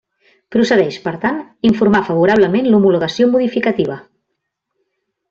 Procedeix, per tant, informar favorablement l'homologació modificativa.